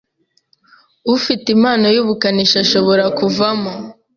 ufite impano yubukanishi ashobora kuvamo